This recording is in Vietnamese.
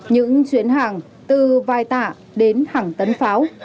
những chuyến hàng từ vài tạ đến hàng tấn pháo